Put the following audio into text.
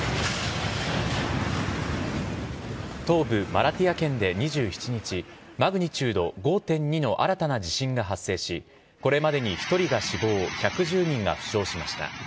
東部マラティヤ県で２７日、マグニチュード５．２の新たな地震が発生し、これまでに１人が死亡、１１０人が負傷しました。